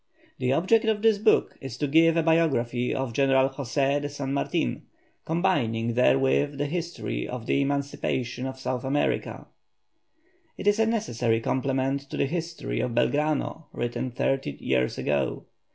The object of this book is to give a biography of GENERAL JOSÉ DE SAN MARTIN, combining therewith the history of the emancipation of South America. It is a necessary complement to the HISTORY OF BELGRANO, written thirty years ago.